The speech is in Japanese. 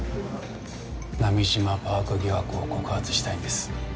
波島パーク疑惑を告発したいんです。